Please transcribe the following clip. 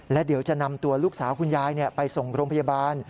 และเดี๋ยวจะนำตัวลูกสาวคุณยายไปส่งโรงพยาบาล